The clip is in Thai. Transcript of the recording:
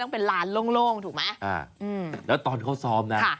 เป็นลานโล่งถูกไหมแล้วตอนเขาซ้อมนะ